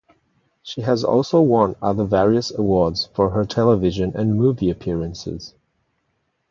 She has also won other various awards for her television and movie appearances.